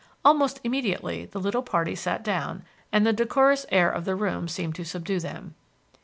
Almost immediately the little party sat down, and the decorous air of the room seemed to subdue them.